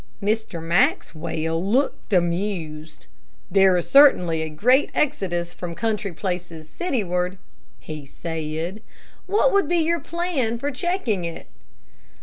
Mr. Maxwell looked amused. "There is certainly a great exodus from country places cityward," he said. "What would be your plan for checking it?"